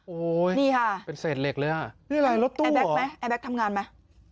โอ้ยนี่ค่ะเป็นเสร็จเหล็กเลยฮะนี่อะไรรถตู้เหรอแอร์แบ็คไหมแอร์แบ็คทำงานไหม